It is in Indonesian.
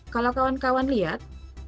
kalau kawan kawan lihat